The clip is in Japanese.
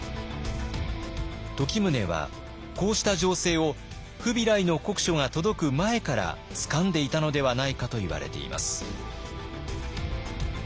時宗はこうした情勢をフビライの国書が届く前からつかんでいたのではないかといわれています。